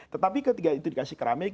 tetapi ketika itu dikasih keramik